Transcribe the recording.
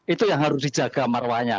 itu yang harus dijaga marwahnya